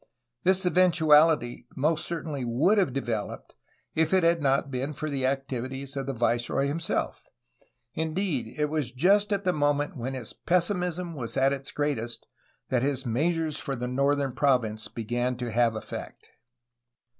This eventuality most cer tainly would have developed if it had not been for the activities of the viceroy himself; indeed, it was just at the moment when his pessimism was at its greatest that his measures for the northern province began to have effect.